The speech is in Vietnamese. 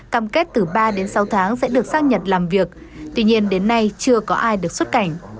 cam kết từ ba đến sáu tháng sẽ được xác nhận làm việc tuy nhiên đến nay chưa có ai được xuất cảnh